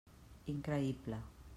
Increïble.